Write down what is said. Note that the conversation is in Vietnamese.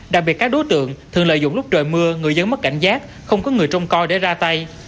đặc biệt các đối tượng thường lợi dụng lúc trời mưa người dân mất cảnh giác không có người trông coi để ra tay